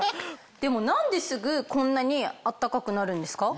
でも何ですぐこんなに暖かくなるんですか？